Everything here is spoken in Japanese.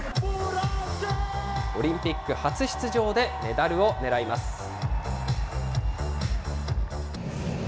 オリンピック初出場でメダルを狙います。